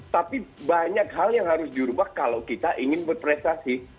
tapi banyak hal yang harus dirubah kalau kita ingin berprestasi